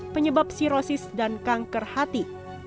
penyebab sirosis dan kanker hati